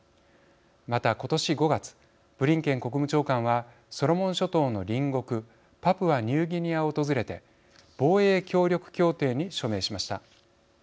また、今年５月ブリンケン国務長官はソロモン諸島の隣国パプアニューギニアを訪れて防衛協力協定に署名しました。